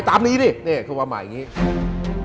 ตามนี้นี่เขาบอกมาอย่างนี้